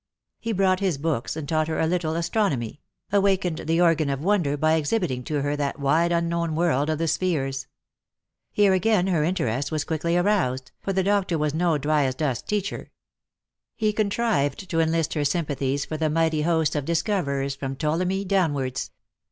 He brought his books, and taught her a little astronomy; awakened the organ of wonder by exhibiting to her that wide unknown world of the spheres. Here again her interest was quickly aroused, for the doctor was no dryasdust teacher. He contrived to enlist her sympathies for the mighty host of dis coverers, from Ptolemy downwards.